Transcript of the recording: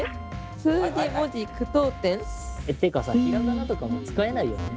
数字文字句読点。っていうかさ平仮名とかも使えないよね。